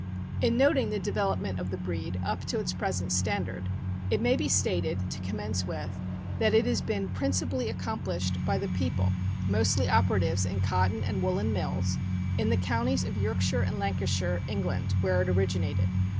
In noting the development of the breed up to its present standard, it may be stated, to commence with, that it has been principally accomplished by the people — mostly oper atives in cotton and woolen mills — in the counties of York shire and Lancashire, England, where it originated.